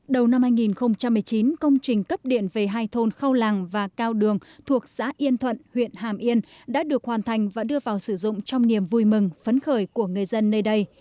đầu năm hai nghìn một mươi chín công trình cấp điện về hai thôn khâu làng và cao đường thuộc xã yên thuận huyện hàm yên đã được hoàn thành và đưa vào sử dụng trong niềm vui mừng phấn khởi của người dân nơi đây